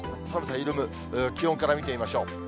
緩む気温から見てみましょう。